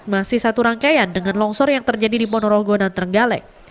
masih satu rangkaian dengan longsor yang terjadi di ponorogo dan trenggalek